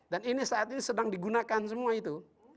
dan ini saat ini sedang digunakan semua itu